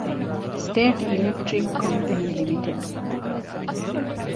ސްޓޭޓް އިލެކްޓްރިކް ކޮމްޕެނީ ލިމިޓެޑް.